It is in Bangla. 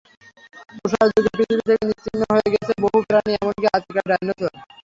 তুষার যুগে পৃথিবী থেকে নিশ্চিহ্ন হয়ে গেছে বহু প্রাণী, এমনকি অতিকায় ডাইনোসর।